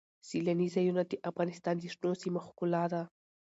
سیلاني ځایونه د افغانستان د شنو سیمو ښکلا ده.